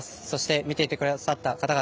そして見ていてくださった方々